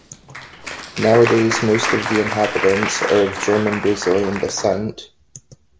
Nowadays, most of the inhabitants are of German-Brazilian descent.